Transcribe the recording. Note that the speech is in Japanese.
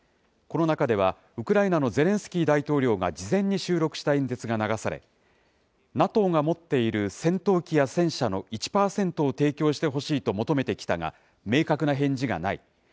この中では、ウクライナのゼレンスキー大統領が事前に収録した演説が流され、ＮＡＴＯが持っている戦闘機や戦車の１％を提供してほしいと求めてきたが、明確な返事がない。